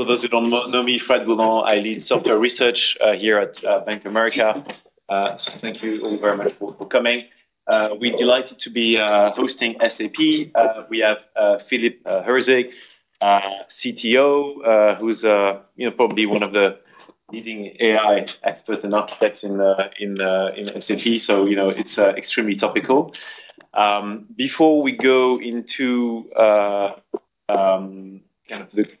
For those who don't know me, Fred Boulan, I lead software research here at Bank of America. Thank you all very much for coming. We're delighted to be hosting SAP. We have Philipp Herzig, CTO, who's probably one of the leading AI experts and architects in SAP, so it's extremely topical. Before we go into the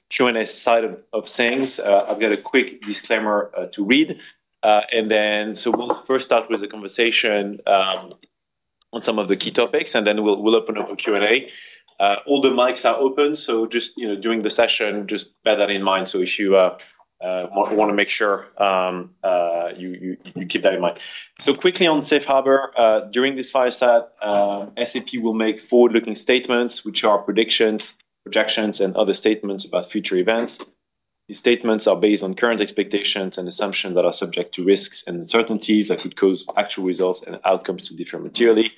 Q&A side of things, I've got a quick disclaimer to read. We'll first start with the conversation on some of the key topics, and then we'll open up for Q&A. All the mics are open, so just during the session, just bear that in mind. Want to make sure you keep that in mind. Quickly on safe harbor. During this fireside chat, SAP will make forward-looking statements, which are predictions, projections, and other statements about future events. These statements are based on current expectations and assumptions that are subject to risks and uncertainties that could cause actual results and outcomes to differ materially.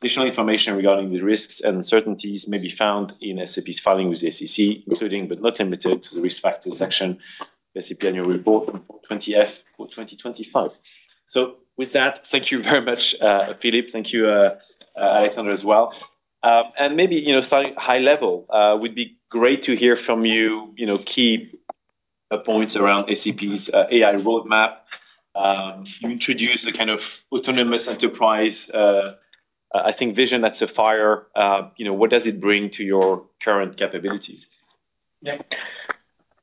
Additional information regarding the risks and uncertainties may be found in SAP's filing with the SEC, including but not limited to, the Risk Factors section of SAP annual report for 20-F for 2025. With that, thank you very much, Philipp. Thank you, Alexander, as well. Maybe starting high level, would be great to hear from you key points around SAP's AI roadmap. You introduced the kind of autonomous enterprise, I think vision at SAP Sapphire. What does it bring to your current capabilities? Yeah.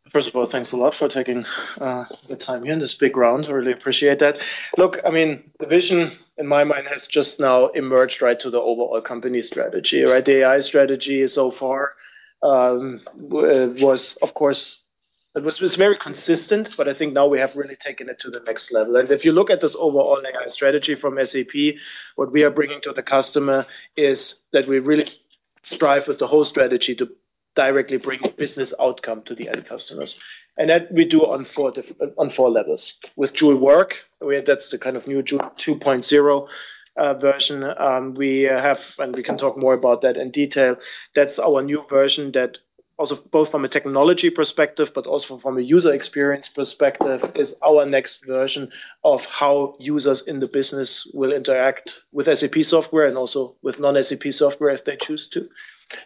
First of all, thanks a lot for taking the time here in this big round. I really appreciate that. Look, the vision in my mind has just now emerged right to the overall company strategy, right? The AI strategy so far was, of course, it was very consistent, but I think now we have really taken it to the next level. If you look at this overall AI strategy from SAP, what we are bringing to the customer is that we really strive with the whole strategy to directly bring business outcome to the end customers. That we do on four levels. With Joule Work, that's the kind of new 2.0 version we have, and we can talk more about that in detail. That's our new version that also both from a technology perspective, but also from a user experience perspective, is our next version of how users in the business will interact with SAP software and also with non-SAP software if they choose to.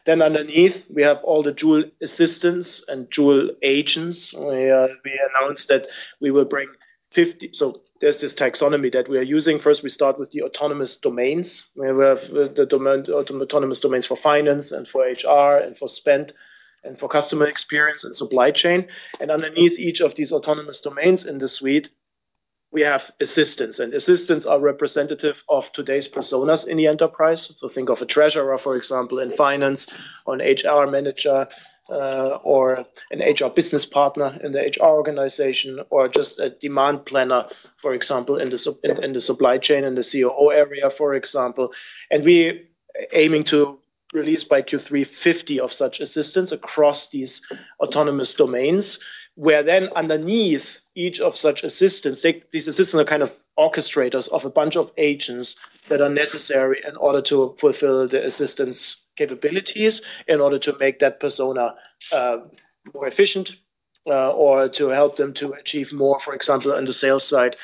Underneath, we have all the Joule assistants and Joule agents. We announced that we will bring 50. So there's this taxonomy that we are using. First, we start with the autonomous domains. We have the autonomous domains for finance and for HR, and for spend, and for customer experience, and supply chain. Underneath each of these autonomous domains in the suite, we have assistants, and assistants are representative of today's personas in the enterprise. Think of a treasurer, for example, in finance, or an HR Manager, or an HR Business Partner in the HR organization, or just a demand planner, for example, in the supply chain, in the COO area, for example. We aiming to release by Q3 50 of such assistants across these autonomous domains, where then underneath each of such assistants, these assistants are kind of orchestrators of a bunch of agents that are necessary in order to fulfill the assistants' capabilities, in order to make that persona more efficient, or to help them to achieve more, for example, on the sales side,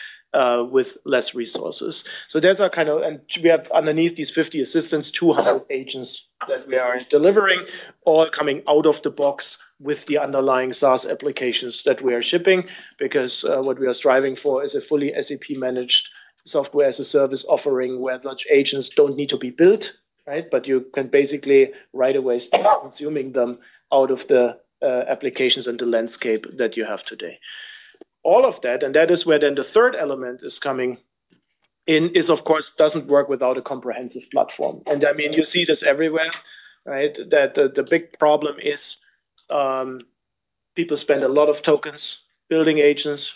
with less resources. We have, underneath these 50 assistants, 200 agents that we are delivering all coming out of the box with the underlying SaaS applications that we are shipping because, what we are striving for is a fully SAP-managed software-as-a-service offering where such agents don't need to be built, right? You can basically right away start consuming them out of the applications and the landscape that you have today. All of that is where then the third element is coming in is, of course, doesn't work without a comprehensive platform. You see this everywhere, right? That the big problem is, people spend a lot of tokens building agents,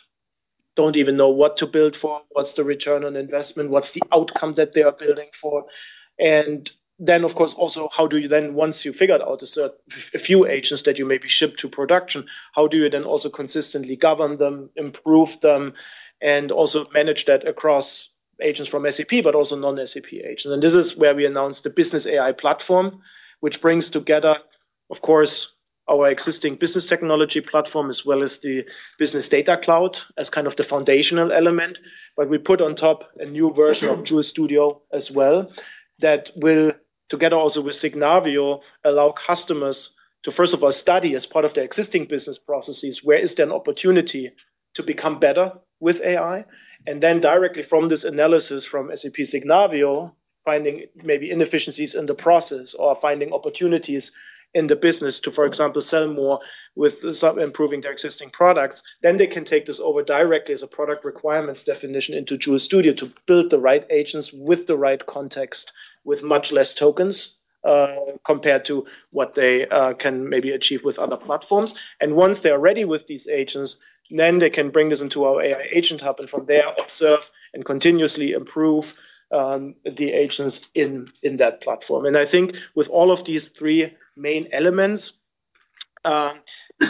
don't even know what to build for, what's the return on investment, what's the outcome that they are building for. Of course, also, how do you then, once you figured out a few agents that you maybe ship to production, how do you then also consistently govern them, improve them, and also manage that across agents from SAP, but also non-SAP agents? This is where we announced the SAP Business AI Platform, which brings together, of course, our existing SAP Business Technology Platform, as well as the SAP Business Data Cloud as kind of the foundational element. We put on top a new version of Joule Studio as well that will, together also with SAP Signavio, allow customers to, first of all, study as part of their existing business processes, where is there an opportunity to become better with AI. Directly from this analysis from SAP Signavio, finding maybe inefficiencies in the process or finding opportunities in the business to, for example, sell more with some improving their existing products. They can take this over directly as a product requirements definition into Joule Studio to build the right agents with the right context with much less tokens, compared to what they can maybe achieve with other platforms. Once they are ready with these agents, they can bring this into our SAP AI Agent Hub, and from there, observe and continuously improve the agents in that platform. I think with all of these three main elements, I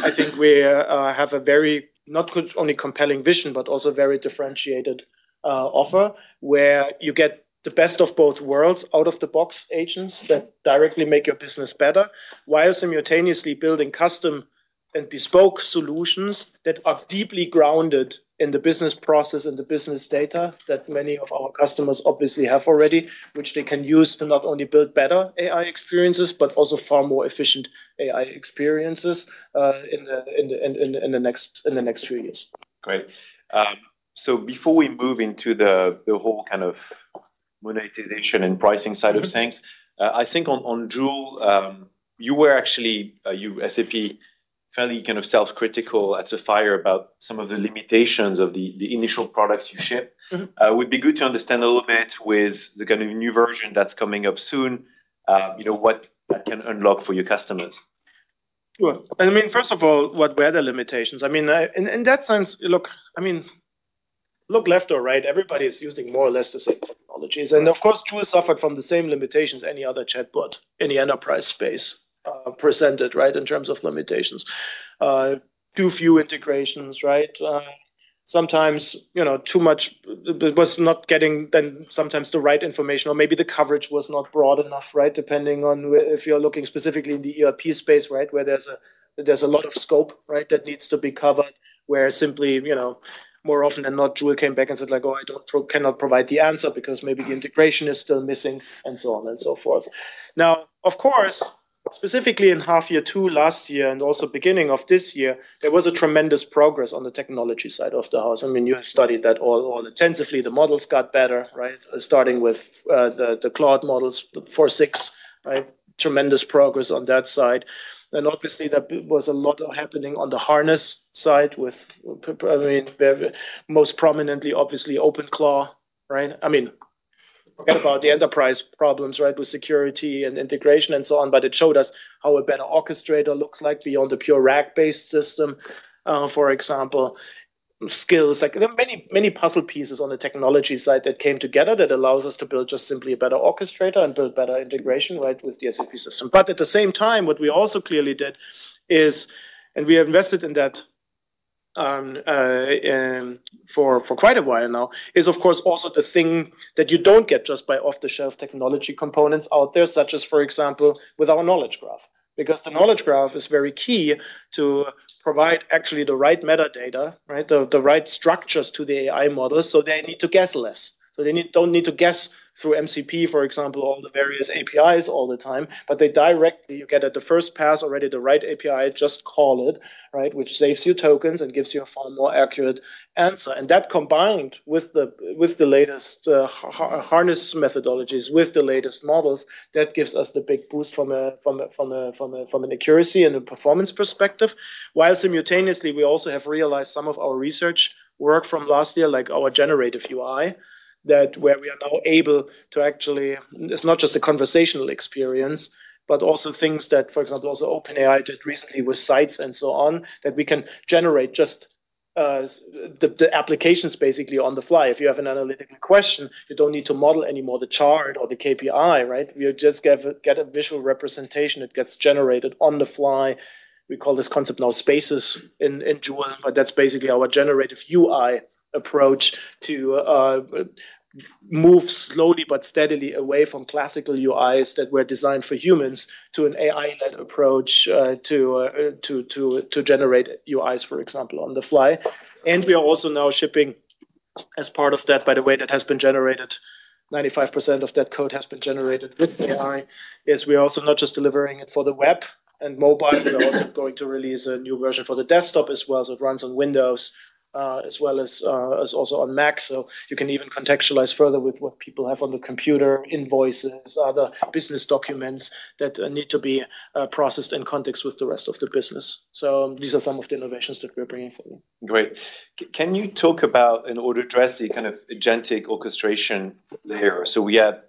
think we have a very not only compelling vision but also very differentiated offer where you get the best of both worlds, out-of-the-box agents that directly make your business better, while simultaneously building custom and bespoke solutions that are deeply grounded in the business process and the business data that many of our customers obviously have already. Which they can use to not only build better AI experiences, but also far more efficient AI experiences in the next few years. Great. Before we move into the whole kind of monetization and pricing side of things, I think on Joule, you were actually, you SAP, fairly self-critical at Sapphire about some of the limitations of the initial products you ship. Would be good to understand a little bit with the kind of new version that's coming up soon, what that can unlock for your customers. Sure. First of all, what were the limitations? In that sense, look left or right, everybody is using more or less the same technologies. Of course, Joule suffered from the same limitations any other chatbot in the enterprise space presented, right, in terms of limitations. Too few integrations, right? Sometimes it was not getting then sometimes the right information, or maybe the coverage was not broad enough, right? Depending on if you're looking specifically in the ERP space, right, where there's a lot of scope, right, that needs to be covered, where simply, more often than not, Joule came back and said, "Oh, I cannot provide the answer because maybe the integration is still missing," and so on and so forth. Of course, specifically in half year two last year, and also beginning of this year, there was a tremendous progress on the technology side of the house. You have studied that all intensively. The models got better, right? Starting with the Claude models 4.6, right? Tremendous progress on that side. Obviously there was a lot happening on the harness side with most prominently, obviously, OpenAI, right? Forget about the enterprise problems, right, with security and integration and so on, but it showed us how a better orchestrator looks like beyond the pure RAG-based system. For example, skills, like there are many puzzle pieces on the technology side that came together that allows us to build just simply a better orchestrator and build better integration, right, with the SAP system. At the same time, what we also clearly did is, and we invested in that for quite a while now, is of course also the thing that you don't get just by off-the-shelf technology components out there, such as, for example, with our Knowledge Graph. The Knowledge Graph is very key to provide actually the right metadata, right, the right structures to the AI model, so they need to guess less. They don't need to guess through MCP, for example, all the various APIs all the time, but they directly get at the first pass already the right API, just call it, right? Which saves you tokens and gives you a far more accurate answer. That combined with the latest harness methodologies, with the latest models, that gives us the big boost from an accuracy and a performance perspective. While simultaneously, we also have realized some of our research work from last year, like our generative UI, where we are now able to actually, it's not just a conversational experience, but also things that, for example, also OpenAI did recently with Sites and so on, that we can generate just the applications basically on the fly. If you have an analytical question, you don't need to model anymore the chart or the KPI, right? You just get a visual representation that gets generated on the fly. We call this concept now Spaces in Joule, but that's basically our generative UI approach to move slowly but steadily away from classical UIs that were designed for humans, to an AI-led approach to generate UIs, for example, on the fly. We are also now shipping as part of that, by the way, that has been generated, 95% of that code has been generated with AI, is we are also not just delivering it for the web and mobile, we're also going to release a new version for the desktop as well, so it runs on Windows, as well as also on Mac. You can even contextualize further with what people have on the computer, invoices, other business documents that need to be processed in context with the rest of the business. These are some of the innovations that we're bringing for you. Great. Can you talk about, in order to address the kind of agentic orchestration there, we had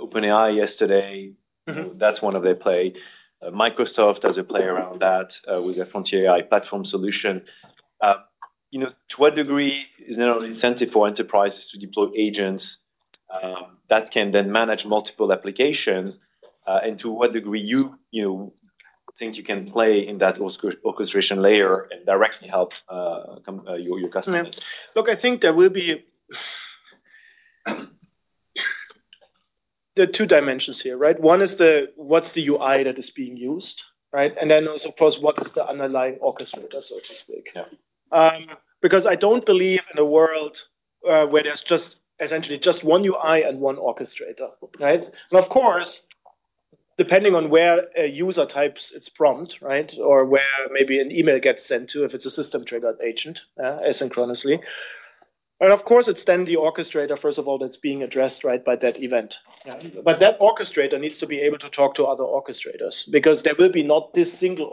OpenAI yesterday. That's one of their play. Microsoft has a play around that, with their Frontier AI platform solution. To what degree is there an incentive for enterprises to deploy agents that can then manage multiple applications? To what degree you think you can play in that orchestration layer and directly help your customers? Look, I think there are two dimensions here, right? One is the, what's the UI that is being used, right? Also, of course, what is the underlying orchestrator, so to speak. Yeah. I don't believe in a world where there's just essentially just one UI and one orchestrator, right? Of course, depending on where a user types its prompt, right, or where maybe an email gets sent to, if it's a system triggered agent, asynchronously. Of course, it's then the orchestrator, first of all, that's being addressed right by that event. Yeah. That orchestrator needs to be able to talk to other orchestrators, because there will be not this single.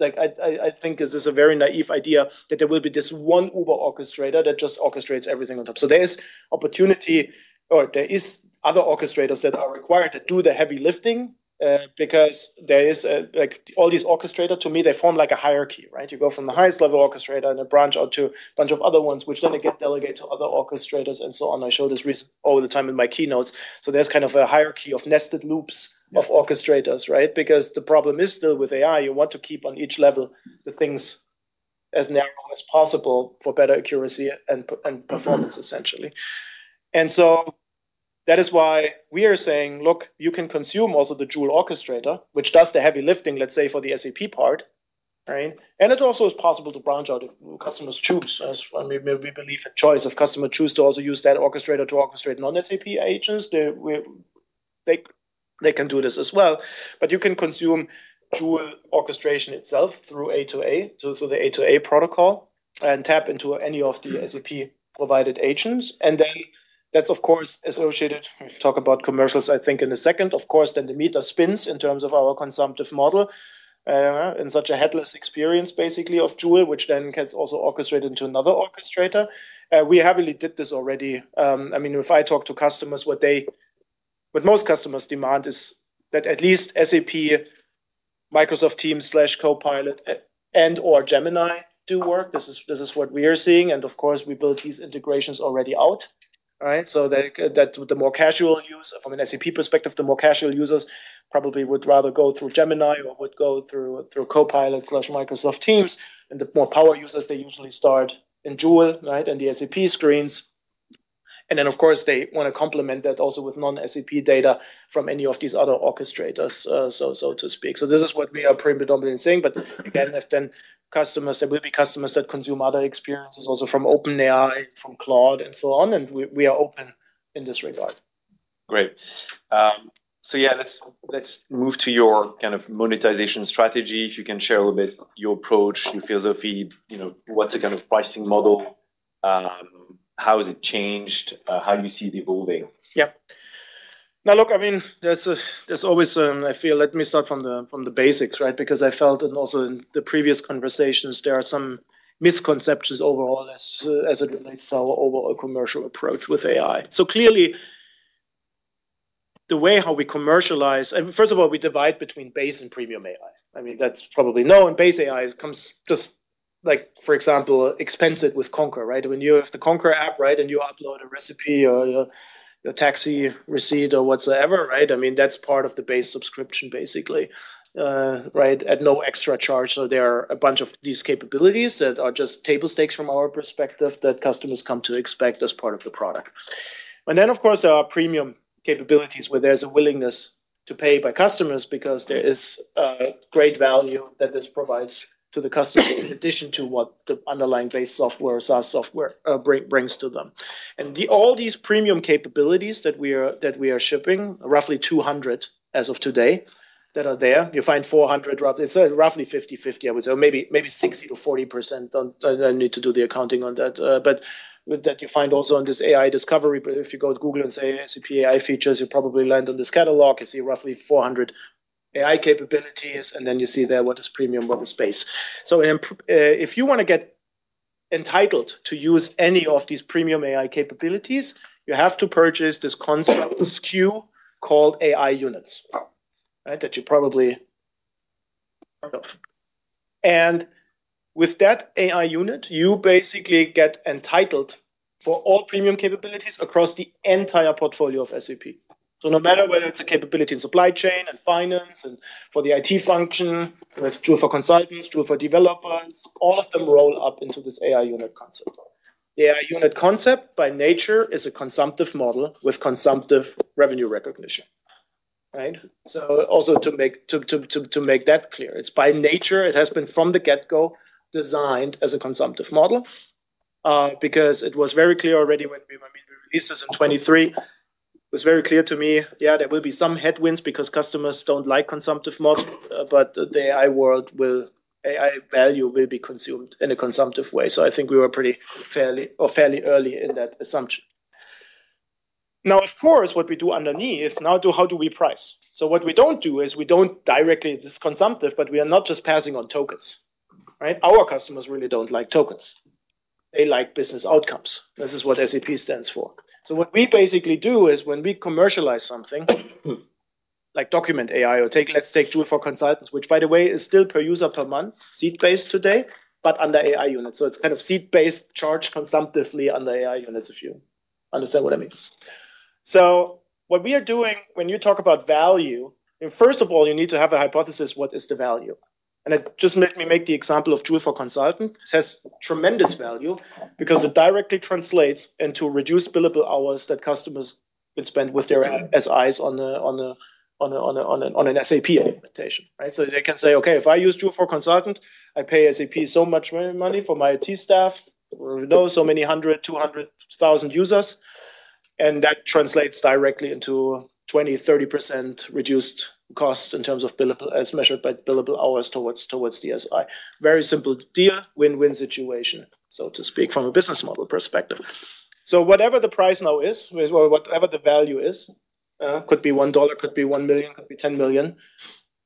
I think this is a very naive idea, that there will be this one uber orchestrator that just orchestrates everything on top. There is opportunity, or there are other orchestrators that are required to do the heavy lifting, because all these orchestrators, to me, they form like a hierarchy, right? You go from the highest level orchestrator and branch out to bunch of other ones, which then again, delegate to other orchestrators and so on. I show this all the time in my keynotes. There's kind of a hierarchy of nested loops of orchestrators, right? Because the problem is still with AI, you want to keep on each level the things as narrow as possible for better accuracy and performance essentially. That is why we are saying, look, you can consume also the Joule orchestrator, which does the heavy lifting, let's say, for the SAP part. It also is possible to branch out if customers choose, as we believe in choice. If customers choose to also use that orchestrator to orchestrate non-SAP agents, they can do this as well. You can consume Joule orchestration itself through A2A, so through the A2A protocol, and tap into any of the SAP provided agents. That's, of course, associated, we can talk about commercials, I think in a second, of course, then the meter spins in terms of our consumptive model, in such a headless experience basically of Joule, which then gets also orchestrated into another orchestrator. We heavily did this already. If I talk to customers, what most customers demand is that at least SAP Microsoft Teams/Copilot and/or Gemini do work. This is what we are seeing, and of course, we built these integrations already out. From an SAP perspective, the more casual users probably would rather go through Gemini or would go through Copilot/Microsoft Teams. The more power users, they usually start in Joule, and the SAP screens. Of course, they want to complement that also with non-SAP data from any of these other orchestrators, so to speak. This is what we are predominantly seeing. Again, there will be customers that consume other experiences also from OpenAI, from Claude, and so on, and we are open in this regard. Great. Let's move to your monetization strategy. If you can share a little bit your approach, your philosophy, what's the kind of pricing model, how has it changed? How do you see it evolving? Yeah. Let me start from the basics. I felt, and also in the previous conversations, there are some misconceptions overall as it relates to our overall commercial approach with AI. The way how we commercialize, and first of all, we divide between base and premium AI. That's probably known. Base AI comes just like, for example, expense it with Concur. When you have the Concur app, and you upload a receipt or your taxi receipt or whatsoever, that's part of the base subscription, basically at no extra charge. There are a bunch of these capabilities that are just table stakes from our perspective, that customers come to expect as part of the product. Of course, there are premium capabilities where there's a willingness to pay by customers because there is great value that this provides to the customer in addition to what the underlying base software, SaaS software brings to them. All these premium capabilities that we are shipping, roughly 200 as of today, that are there. You find 400 roughly, it's roughly 50/50, I would say, maybe 60%-40%. I need to do the accounting on that. That you find also on this AI discovery. If you go to Google and say SAP AI features, you'll probably land on this catalog. You see roughly 400 AI capabilities, and then you see there what is premium, what is base. If you want to get entitled to use any of these premium AI capabilities, you have to purchase this construct, this SKU called AI Units, that you probably heard of. With that AI Unit, you basically get entitled for all premium capabilities across the entire portfolio of SAP. No matter whether it's a capability in supply chain and finance and for the IT function, that's true for consultants, true for developers, all of them roll up into this AI Unit concept. The AI Unit concept, by nature, is a consumptive model with consumptive revenue recognition. To make that clear, it's by nature, it has been from the get-go designed as a consumptive model, because it was very clear already when we released this in 2023. It was very clear to me, there will be some headwinds because customers don't like consumptive model, but the AI value will be consumed in a consumptive way. I think we were fairly early in that assumption. What we do underneath, how do we price? What we don't do is we don't directly just consumptive, but we are not just passing on tokens. Our customers really don't like tokens. They like business outcomes. This is what SAP stands for. What we basically do is when we commercialize something like Document AI or let's take Joule for Consultants, which by the way, is still per user per month, seat based today, but under AI Units. It's seat based, charged consumptively under AI Units, if you understand what I mean. What we are doing when you talk about value, first of all, you need to have a hypothesis, what is the value? Just let me make the example of Joule for Consultants. It has tremendous value because it directly translates into reduced billable hours that customers can spend with their SIs on an SAP implementation. They can say, okay, if I use Joule for Consultants, I pay SAP so much money for my IT staff, so many 100, 200,000 users, and that translates directly into 20%-30% reduced cost in terms of billable as measured by billable hours towards the SI. Very simple deal, win-win situation, so to speak, from a business model perspective. Whatever the price now is, or whatever the value is, could be EUR 1, could be 1 million, could be 10 million.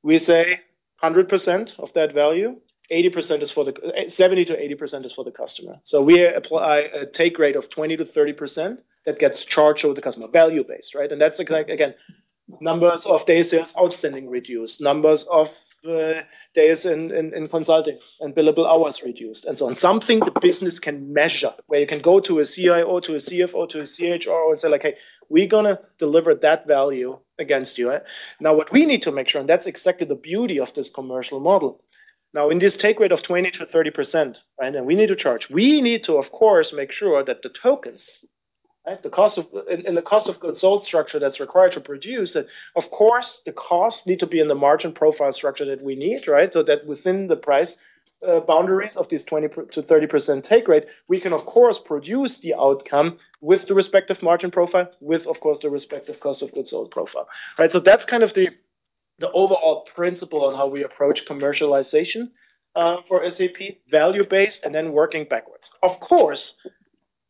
We say 100% of that value, 70%-80% is for the customer. We apply a take rate of 20%-30% that gets charged with the customer. Value based. That's, again, numbers of day sales outstanding reduced, numbers of days in consulting, and billable hours reduced. And so on. Something the business can measure, where you can go to a CIO, to a CFO, to a CHRO, and say, "Hey, we're going to deliver that value against you." What we need to make sure, that's exactly the beauty of this commercial model. In this take rate of 20%-30%, we need to charge, of course, make sure that the tokens. The cost of goods sold structure that's required to produce it, of course, the costs need to be in the margin profile structure that we need. That within the price boundaries of this 20%-30% take rate, we can of course produce the outcome with the respective margin profile, with, of course, the respective cost of goods sold profile. That's kind of the overall principle on how we approach commercialization for SAP, value-based and then working backwards.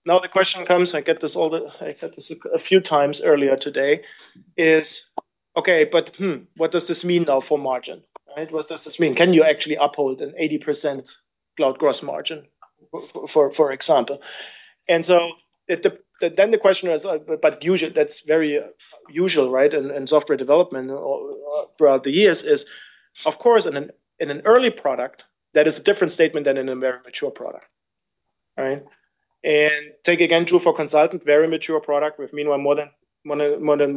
The question comes, I get this a few times earlier today, what does this mean now for margin? What does this mean? Can you actually uphold an 80% cloud gross margin, for example. That's very usual. In software development throughout the years is, of course, in an early product, that is a different statement than in a very mature product. Take again Joule for Consultants, very mature product with meanwhile more than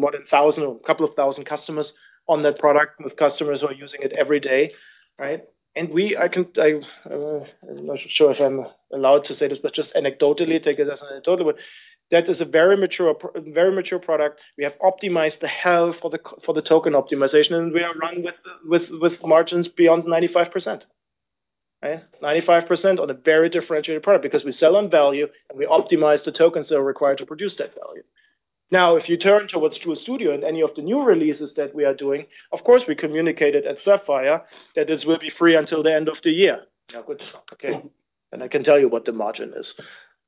1,000 or a couple of thousand customers on that product, with customers who are using it every day. I'm not sure if I'm allowed to say this, just anecdotally, take it as an anecdotal, that is a very mature product. We have optimized the hell for the token optimization, we are running with margins beyond 95%. 95% on a very differentiated product because we sell on value, we optimize the tokens that are required to produce that value. If you turn towards Joule Studio and any of the new releases that we are doing, of course, we communicated at SAP Sapphire that this will be free until the end of the year. I can tell you what the margin is.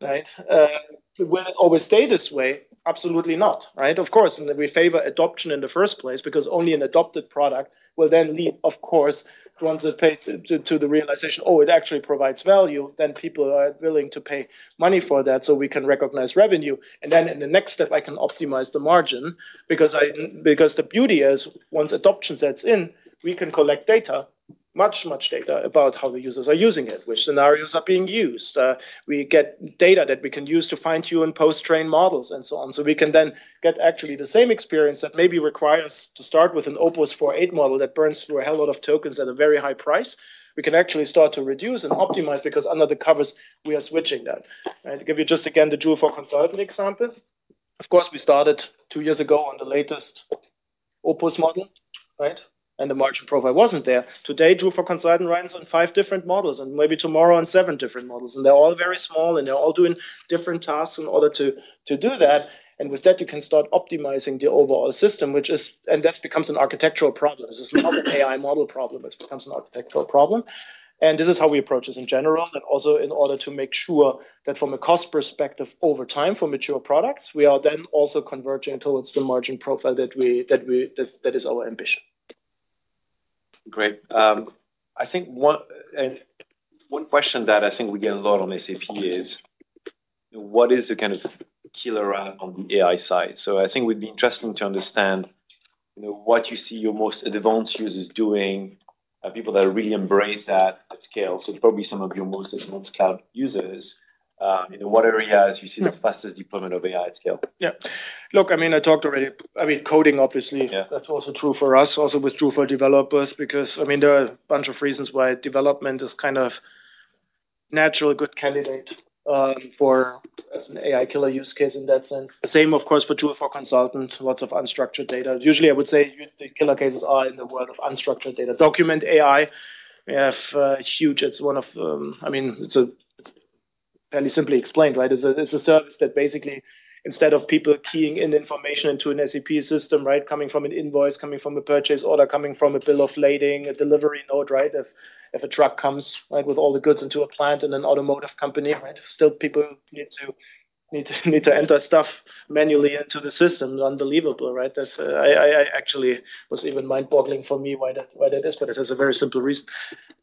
Will it always stay this way? Absolutely not. Right? Of course, we favor adoption in the first place because only an adopted product will then lead, of course, once it paid to the realization, "Oh, it actually provides value," then people are willing to pay money for that, so we can recognize revenue. In the next step, I can optimize the margin because the beauty is once adoption sets in, we can collect data, much data about how the users are using it, which scenarios are being used. We get data that we can use to fine-tune post-train models and so on. We can then get actually the same experience that maybe requires to start with an Opus 4.8 model that burns through a hell of tokens at a very high price. We can actually start to reduce and optimize because under the covers, we are switching that. Right? To give you just again, the Joule for Consultants example. Of course, we started two years ago on the latest Opus model, right? The margin profile wasn't there. Today, Joule for Consultants runs on five different models, maybe tomorrow on seven different models. They're all very small, and they're all doing different tasks in order to do that. With that, you can start optimizing the overall system, that becomes an architectural problem. It's not an AI model problem, it becomes an architectural problem. This is how we approach this in general, also in order to make sure that from a cost perspective over time for mature products, we are then also converging towards the margin profile that is our ambition. Great. One question that I think we get a lot on SAP is, what is the kind of killer app on the AI side? I think it would be interesting to understand what you see your most advanced users doing, people that really embrace that at scale. Probably some of your most advanced cloud users, in what area do you see the fastest deployment of AI at scale? Yeah. Look, I talked already. Coding obviously. Yeah that's also true for us, also with Joule for Developers because, there are a bunch of reasons why development is kind of natural good candidate as an AI killer use case in that sense. The same, of course, for SAP Joule for Consultants, lots of unstructured data. Usually, I would say the killer cases are in the world of unstructured data. SAP Document AI, we have huge. It's fairly simply explained, right? It's a service that basically instead of people keying in information into an SAP system, right, coming from an invoice, coming from a purchase order, coming from a bill of lading, a delivery note, right? If a truck comes with all the goods into a plant in an automotive company, right? Still, people need to enter stuff manually into the system. Unbelievable, right? That actually was even mind-boggling for me why that is, it has a very simple reason.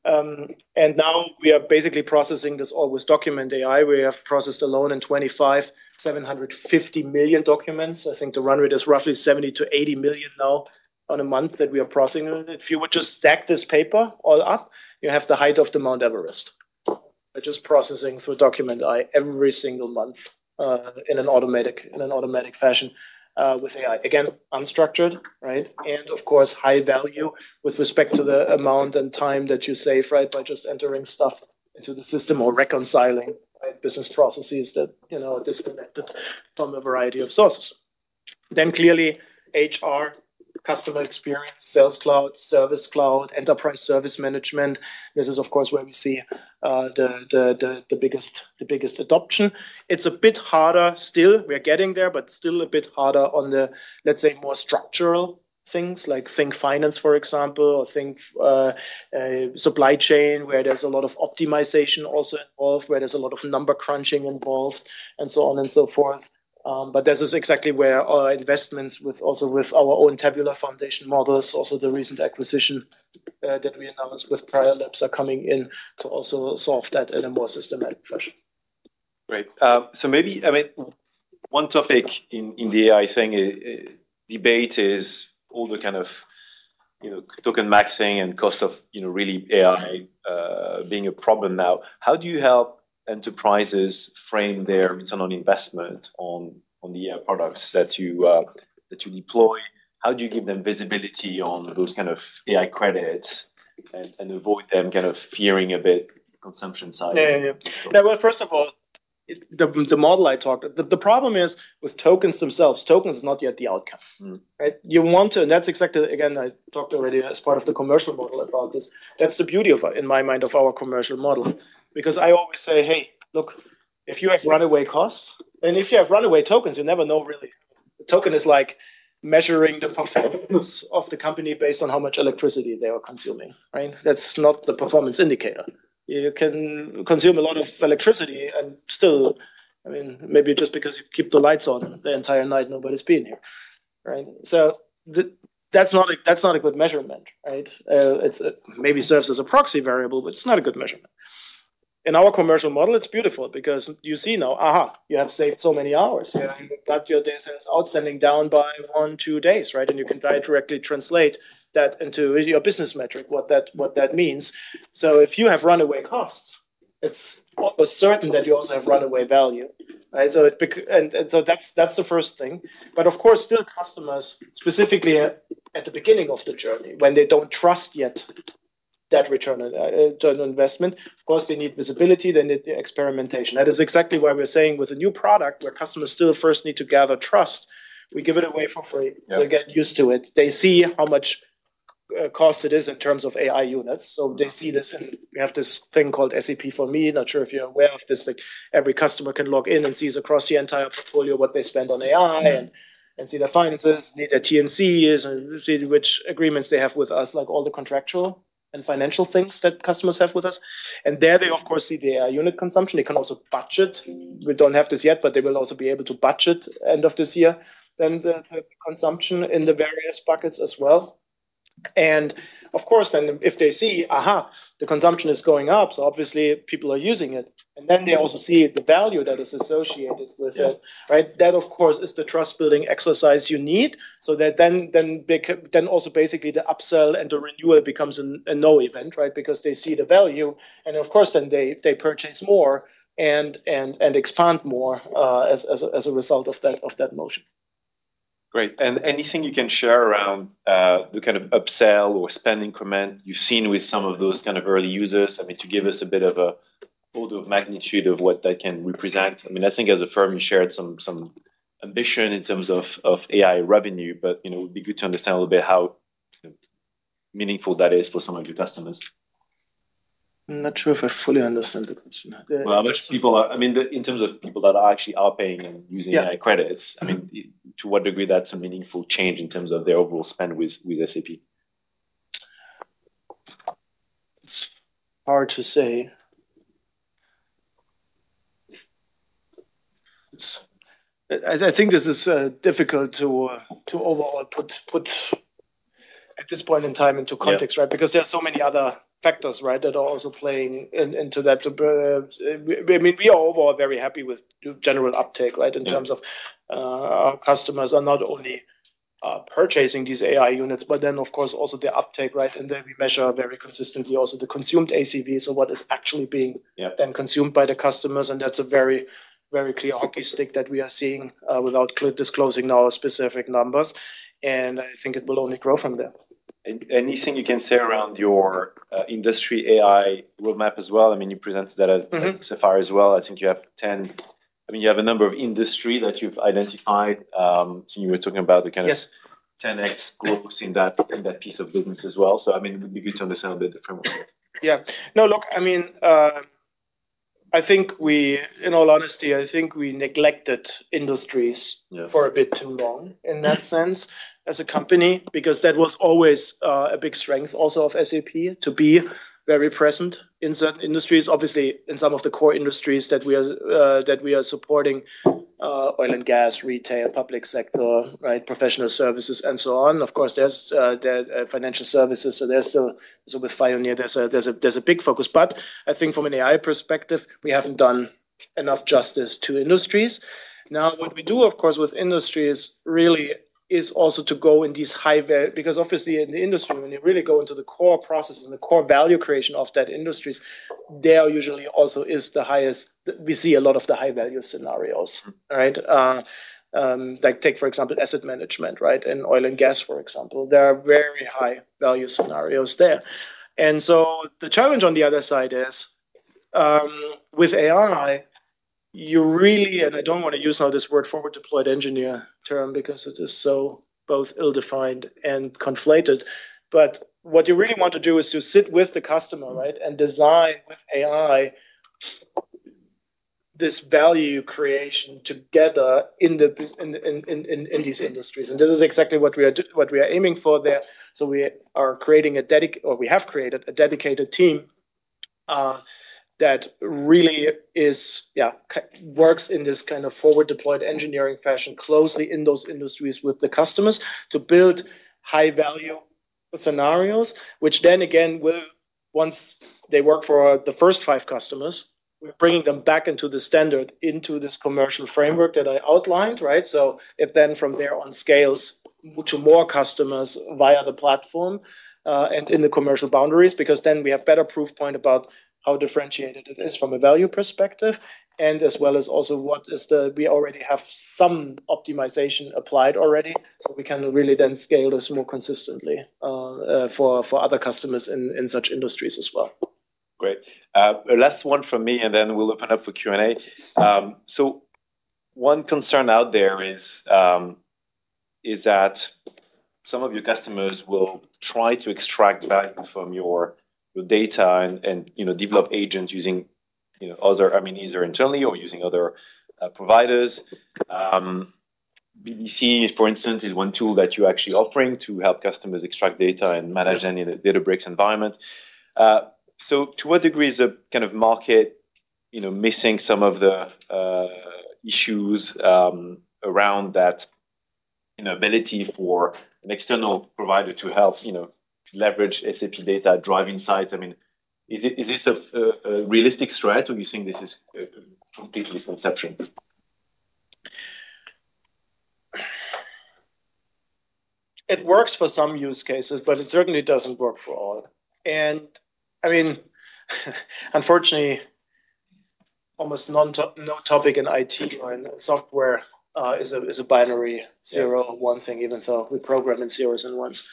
Now we are basically processing this all with SAP Document AI. We have processed alone in 2025, 750 million documents. I think the run rate is roughly 70 million-80 million now on a month that we are processing it. If you would just stack this paper all up, you have the height of the Mount Everest. By just processing through SAP Document AI every single month, in an automatic fashion, with AI. Again, unstructured, right? Of course, high value with respect to the amount and time that you save, right, by just entering stuff into the system or reconciling business processes that are disconnected from a variety of sources. Clearly HR, customer experience, SAP Sales Cloud, SAP Service Cloud, SAP Enterprise Service Management. This is of course where we see the biggest adoption. It's a bit harder still. We're getting there, still a bit harder on the, let's say, more structural things like think finance, for example, or think supply chain where there's a lot of optimization also involved, where there's a lot of number crunching involved, and so on and so forth. This is exactly where our investments also with our own tabular foundation models, also the recent acquisition that we announced with Prior Labs are coming in to also solve that at a more systematic fashion. Great. One topic in the AI debate is all the kind of token maxing and cost of really AI being a problem now. How do you help enterprises frame their return on investment on the AI products that you deploy? How do you give them visibility on those kind of SAP AI Units and avoid them kind of fearing a bit consumption side? Well, first of all, the problem is with tokens themselves, tokens is not yet the outcome. Right? You want to, that's exactly, again, I talked already as part of the commercial model about this. That's the beauty, in my mind, of our commercial model. I always say, "Hey, look, if you have runaway costs, and if you have runaway tokens, you never know really." Token is like measuring the performance of the company based on how much electricity they are consuming, right? That's not the performance indicator. You can consume a lot of electricity and still, maybe just because you keep the lights on the entire night, nobody's been here, right? That's not a good measurement, right? It maybe serves as a proxy variable, but it's not a good measurement. In our commercial model, it's beautiful because you see now, aha, you have saved so many hours. Yeah. You got your days outstanding down by one, two days, right? You can directly translate that into your business metric, what that means. If you have runaway costs, it's almost certain that you also have runaway value, right? That's the first thing. Of course, still customers, specifically at the beginning of the journey, when they don't trust yet that return on investment, of course, they need visibility, they need the experimentation. That is exactly why we're saying with a new product where customers still first need to gather trust, we give it away for free. Yeah. They get used to it. They see how much cost it is in terms of AI units. They see this, we have this thing called SAP for Me. Not sure if you're aware of this, like every customer can log in and sees across the entire portfolio what they spend on AI and see their finances, their T&Cs, and see which agreements they have with us, like all the contractual and financial things that customers have with us. There they of course see their unit consumption. They can also budget. We don't have this yet, they will also be able to budget end of this year, then the consumption in the various buckets as well. Of course then if they see, aha, the consumption is going up, obviously people are using it. They also see the value that is associated with it. Yeah. Right? That, of course, is the trust-building exercise you need, so that then also basically the upsell and the renewal becomes a no event, right? Because they see the value, and of course then they purchase more and expand more as a result of that motion. Great. Anything you can share around the kind of upsell or spend increment you've seen with some of those kind of early users? To give us a bit of an order of magnitude of what that can represent. I think as a firm you shared some ambition in terms of AI revenue, but it would be good to understand a little bit how meaningful that is for some of your customers. I'm not sure if I fully understand the question. Well, how much in terms of people that are actually paying and using- Yeah AI credits. To what degree that's a meaningful change in terms of their overall spend with SAP. It's hard to say. I think this is difficult to overall put at this point in time into context, right? Yeah. There are so many other factors, right? That are also playing into that. We are overall very happy with general uptake, right? Yeah. In terms of our customers are not only purchasing these AI units, of course also the uptake, right? We measure very consistently also the consumed ACV, so what is actually. Yeah Then consumed by the customers, that's a very clear hockey stick that we are seeing, without disclosing our specific numbers, I think it will only grow from there. Anything you can say around your industry AI roadmap as well? You presented that. Sapphire as well. I think you have a number of industries that you've identified. You were talking about the kind of. Yes 10x growth in that piece of business as well. It would be good to understand a bit differently. Yeah. No, look, in all honesty, I think we neglected industries. Yeah For a bit too long, in that sense, as a company. That was always a big strength also of SAP, to be very present in certain industries. Obviously, in some of the core industries that we are supporting, oil and gas, retail, public sector, right? Professional services and so on. Of course, there's financial services, so with Fioneer, there's a big focus. I think from an AI perspective, we haven't done enough justice to industries. What we do, of course, with industries really is also to go in these high value. Obviously in the industry, when you really go into the core processes and the core value creation of that industry, there usually also is the highest. We see a lot of the high-value scenarios, right? Take, for example, asset management, right? In oil and gas, for example. There are very high-value scenarios there. The challenge on the other side is, with AI, you really, and I don't want to use the forward deployed engineer term because it is so both ill-defined and conflated, but what you really want to do is to sit with the customer, right? Design with AI this value creation together in these industries. This is exactly what we are aiming for there. We have created a dedicated team, that really is, works in this kind of forward deployed engineering fashion closely in those industries with the customers to build high-value scenarios, which then again, once they work for the first five customers, we're bringing them back into the standard, into this commercial framework that I outlined, right? It then from there on scales to more customers via the platform, and in the commercial boundaries, because then we have better proof point about how differentiated it is from a value perspective, and as well as also we already have some optimization applied already, so we can really then scale this more consistently for other customers in such industries as well. Great. Last one from me, and then we'll open up for Q&A. One concern out there Is that some of your customers will try to extract value from your data and develop agents using either internally or using other providers. BDC, for instance, is one tool that you're actually offering to help customers extract data and manage any Databricks environment. To what degree is the kind of market missing some of the issues around that ability for an external provider to help leverage SAP data driving insights? Is this a realistic threat, or you think this is a complete misconception? It works for some use cases, but it certainly doesn't work for all. Unfortunately, almost no topic in IT or in software is a binary zero or one thing, even though we program in zeros and ones.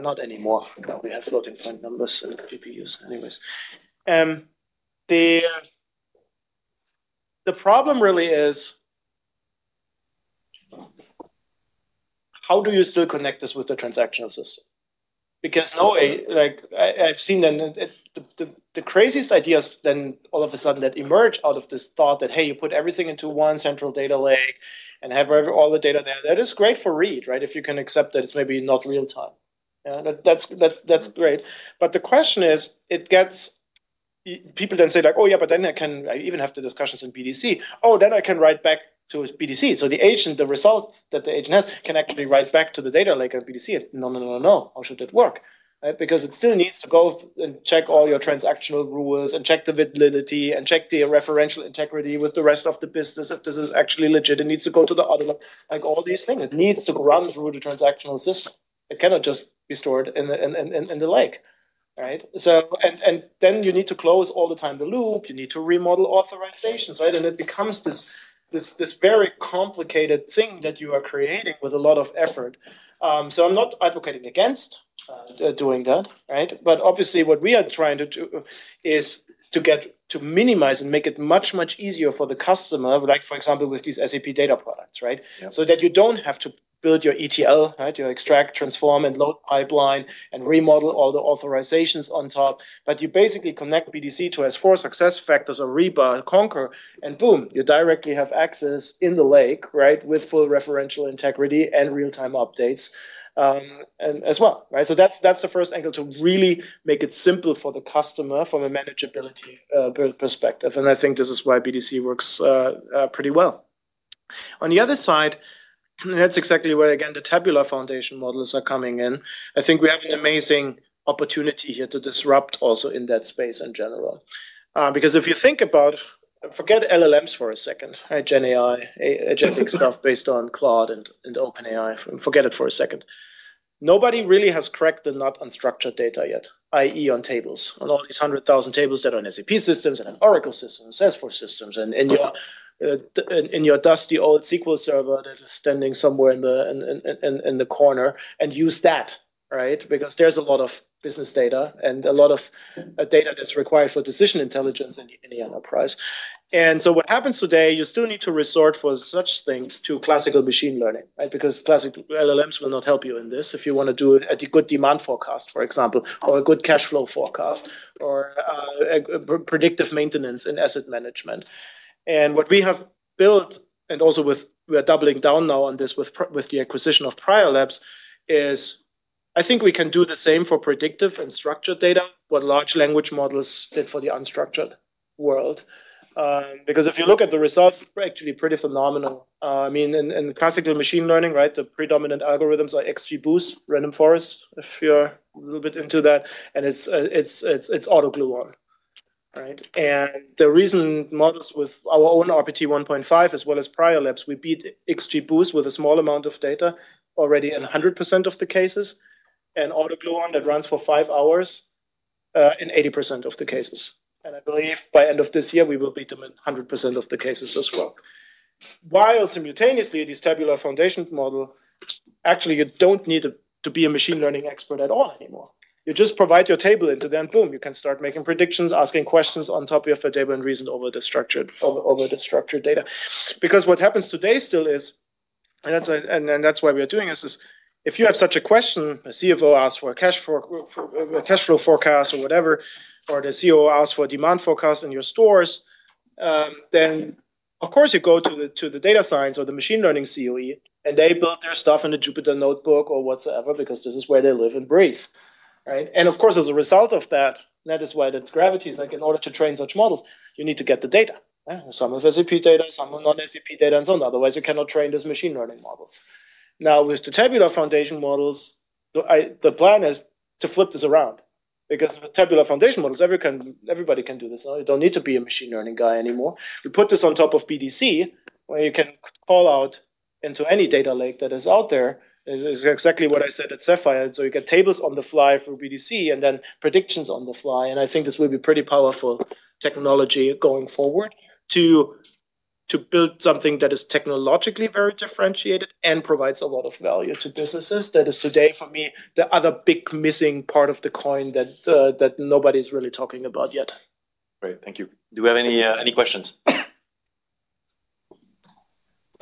Not anymore. Now we have floating point numbers and GPUs anyways. The problem really is, how do you still connect this with the transactional system? Now I've seen the craziest ideas then all of a sudden that emerge out of this thought that, hey, you put everything into one central data lake and have all the data there. That is great for read, if you can accept that it's maybe not real time. That's great. The question is, people then say, like, "Oh, yeah," I even have the discussions in BDC. I can write back to BDC." The agent, the result that the agent has, can actually write back to the data lake of BDC. No. How should it work? It still needs to go and check all your transactional rules and check the validity and check the referential integrity with the rest of the business if this is actually legit. It needs to go to the other one, like all these things. It needs to run through the transactional system. It cannot just be stored in the lake. You need to close all the time the loop. You need to remodel authorizations. It becomes this very complicated thing that you are creating with a lot of effort. I'm not advocating against doing that. Obviously what we are trying to do is to minimize and make it much, much easier for the customer, like for example, with these SAP data products. Yeah. That you don't have to build your ETL, your extract, transform, and load pipeline, and remodel all the authorizations on top, but you basically connect BDC to S/4, SuccessFactors or Ariba, Concur, and boom, you directly have access in the lake with full referential integrity and real-time updates as well. That's the first angle to really make it simple for the customer from a manageability perspective, and I think this is why BDC works pretty well. On the other side, that's exactly where, again, the tabular foundation models are coming in. I think we have an amazing opportunity here to disrupt also in that space in general. If you think about Forget LLMs for a second. GenAI, agentic stuff based on Claude and OpenAI, forget it for a second. Nobody really has cracked the nut on structured data yet, i.e., on tables, on all these 100,000 tables that are on SAP systems and on Oracle systems, and S/4 systems, and in your dusty old SQL Server that is standing somewhere in the corner and use that. There's a lot of business data and a lot of data that's required for decision intelligence in the enterprise. What happens today, you still need to resort for such things to classical machine learning. Classic LLMs will not help you in this if you want to do a good demand forecast, for example, or a good cash flow forecast, or predictive maintenance and asset management. What we have built, and also we are doubling down now on this with the acquisition of Prior Labs, is I think we can do the same for predictive and structured data, what large language models did for the unstructured world. Because if you look at the results, they're actually pretty phenomenal. In classical machine learning, the predominant algorithms are XGBoost, Random Forest, if you're a little bit into that, and it's AutoGluon. The reason models with our own RPT 1.5 as well as Prior Labs, we beat XGBoost with a small amount of data already in 100% of the cases, and AutoGluon that runs for five hours in 80% of the cases. I believe by end of this year, we will beat them in 100% of the cases as well. While simultaneously, this tabular foundation model, actually, you don't need to be a machine learning expert at all anymore. You just provide your table into then boom, you can start making predictions, asking questions on top of your table and reason over the structured data. Because what happens today still is, and that's why we are doing this, is if you have such a question, a CFO asks for a cash flow forecast or whatever, or the CEO asks for a demand forecast in your stores, then of course, you go to the data science or the machine learning COE, and they build their stuff in a Jupyter Notebook or whatsoever, because this is where they live and breathe. Of course, as a result of that is why the gravity is like in order to train such models, you need to get the data. Some of SAP data, some of non-SAP data, and so on. Otherwise, you cannot train these machine learning models. Now, with the tabular foundation models, the plan is to flip this around because with tabular foundation models, everybody can do this now. You don't need to be a machine learning guy anymore. You put this on top of BDC, where you can call out into any data lake that is out there, is exactly what I said at Sapphire. You get tables on the fly for BDC and then predictions on the fly, and I think this will be pretty powerful technology going forward to build something that is technologically very differentiated and provides a lot of value to businesses. That is today, for me, the other big missing part of the coin that nobody's really talking about yet. Great. Thank you. Do we have any questions? I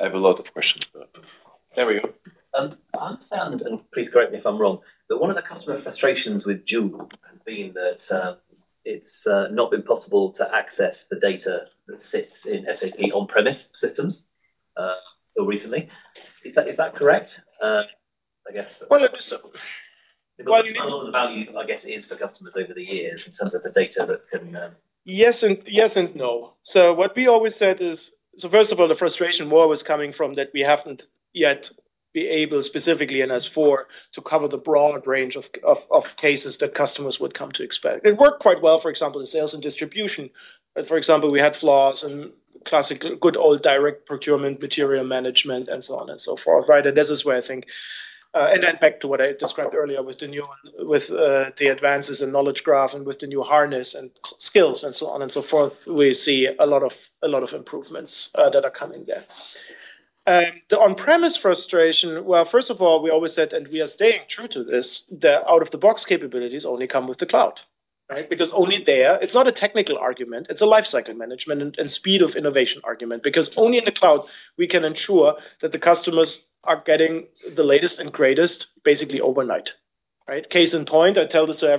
have a lot of questions, there we go. I understand, and please correct me if I'm wrong, that one of the customer frustrations with Joule has been that it's not been possible to access the data that sits in SAP on-premise systems until recently. Is that correct? Well, look. Part of the value, I guess, is for customers over the years in terms of the data. Yes and no. What we always said is, first of all, the frustration more was coming from that we haven't yet been able, specifically in S/4, to cover the broad range of cases that customers would come to expect. It worked quite well, for example, in sales and distribution. For example, we had flaws in classic, good old direct procurement, material management, and so on and so forth. Right. This is where. Then back to what I described earlier with the advances in SAP Knowledge Graph and with the new harness and skills and so on and so forth, we see a lot of improvements that are coming there. The on-premise frustration, well, first of all, we always said, and we are staying true to this, the out-of-the-box capabilities only come with the cloud, right? It's not a technical argument, it's a lifecycle management and speed of innovation argument. Only in the cloud we can ensure that the customers are getting the latest and greatest, basically overnight. Right. Case in point, I tell this to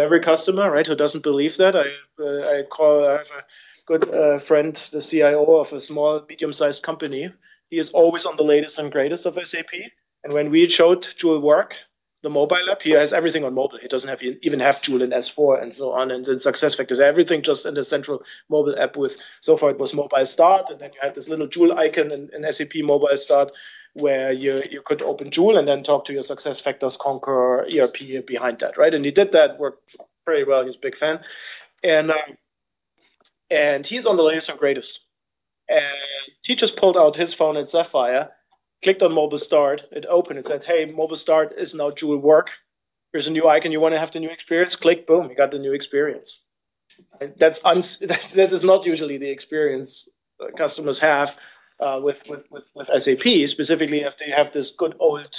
every customer, who doesn't believe that, I have a good friend, the CIO of a small, medium-sized company. He is always on the latest and greatest of SAP, and when we showed Joule Work, the mobile app, he has everything on mobile. He doesn't even have Joule and S/4 and so on, and then SuccessFactors. Everything just in the central mobile app with, so far it was Mobile Start, and then you had this little Joule icon in SAP Mobile Start, where you could open Joule and then talk to your SuccessFactors, Concur, ERP behind that, right. He did that work very well. He's a big fan. He's on the latest and greatest. He just pulled out his phone at Sapphire, clicked on Mobile Start, it opened, it said, "Hey, Mobile Start is now Joule Work. Here's a new icon. You want to have the new experience?" Click, boom, you got the new experience. That is not usually the experience customers have with SAP, specifically if they have this good old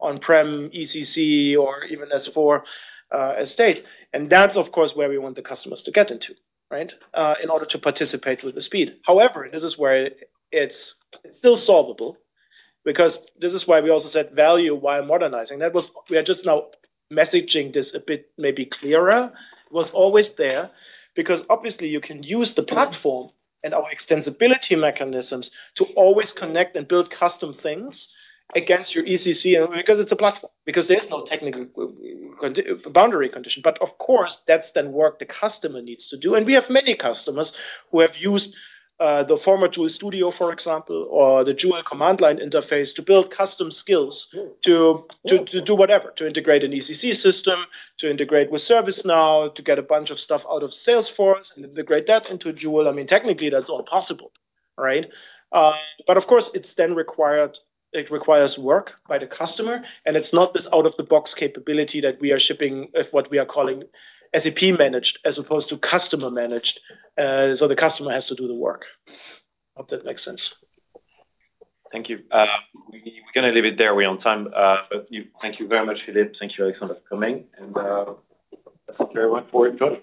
on-prem ECC or even S/4 estate. That's, of course, where we want the customers to get into, right, in order to participate with the speed. This is where it's still solvable because this is why we also said value while modernizing. We are just now messaging this a bit maybe clearer. It was always there because obviously you can use the platform and our extensibility mechanisms to always connect and build custom things against your ECC because it's a platform, because there is no technical boundary condition. Of course, that's then work the customer needs to do. We have many customers who have used the former Joule Studio, for example, or the Joule command line interface to build custom skills to do whatever, to integrate an ECC system, to integrate with ServiceNow, to get a bunch of stuff out of Salesforce and integrate that into Joule. Technically, that's all possible, right. Of course, it requires work by the customer, and it's not this out-of-the-box capability that we are shipping, what we are calling SAP managed as opposed to customer managed. The customer has to do the work. Hope that makes sense. Thank you. We're going to leave it there. We're on time. Thank you very much, Philipp. Thank you, Alexander, for coming, and that's everyone for Enjoy.